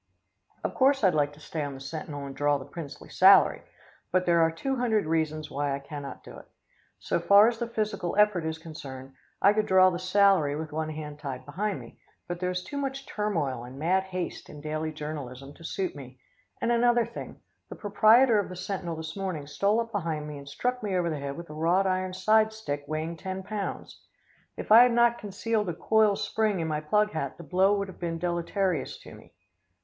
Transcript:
"Of course I would like to stay on the Sentinel and draw the princely salary, but there are two hundred reasons why I cannot do it. So far as the physical effort is concerned, I could draw the salary with one hand tied behind me, but there is too much turmoil and mad haste in daily journalism to suit me, and another thing, the proprietor of the Sentinel this morning stole up behind me and struck me over the head with a wrought iron side stick weighing ten pounds. If I had not concealed a coil spring in my plug hat, the blow would have been deleterious to me.